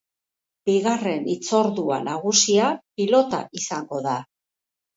Bigarren hitzordu nagusia pilota izango da.